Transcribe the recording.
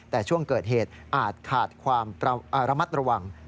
แต่ช่วงเกิดเหตุอาจขาดความระมัดระวัง